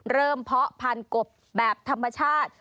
เพาะพันธุ์กบแบบธรรมชาติ